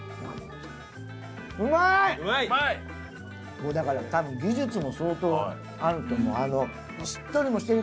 もうだから多分技術も相当あると思う。